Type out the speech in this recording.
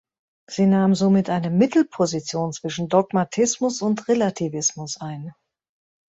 Sie nahmen somit eine Mittelposition zwischen Dogmatismus und Relativismus ein.